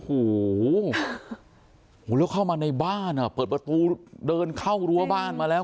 โอ้โหแล้วเข้ามาในบ้านอ่ะเปิดประตูเดินเข้ารั้วบ้านมาแล้ว